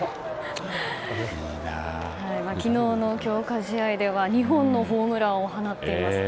昨日の強化試合では２本のホームランを放っています。